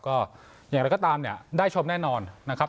ก็อย่างนั้นก็ตามได้ชมแน่นอนนะครับ